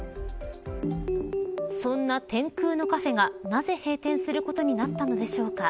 そんな天空のカフェがなぜ閉店することになったのでしょうか。